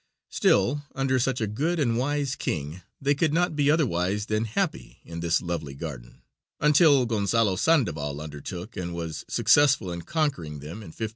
Still under such a good and wise king they could not be otherwise than happy in this lovely garden, until Gonzalo Sandoval undertook and was successful in conquering them in 1521.